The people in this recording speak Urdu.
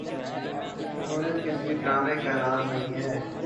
جمہوریت کسی ڈرامے کا نام نہیں ہے۔